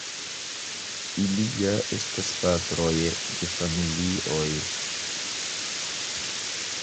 ili ja estas patroj de familioj.